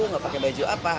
enggak pakai baju apa